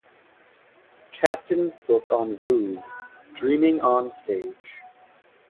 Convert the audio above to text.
Casten's book on Voog, "Dreaming on Stage".